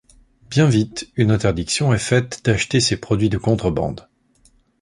Bien vite, une interdiction est faite d'acheter ces produits de contrebande.